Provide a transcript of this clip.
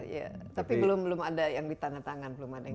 ya tapi belum belum ada yang ditandatangan belum ada yang